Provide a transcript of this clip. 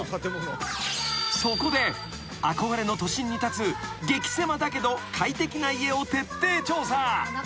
［そこで憧れの都心に立つ激せまだけど快適な家を徹底調査］